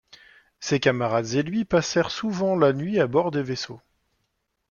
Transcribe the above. Ses camarades et lui passèrent souvent la nuit à bord des vaisseaux.